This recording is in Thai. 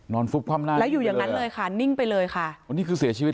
ฟุบคว่ำหน้าแล้วอยู่อย่างนั้นเลยค่ะนิ่งไปเลยค่ะวันนี้คือเสียชีวิต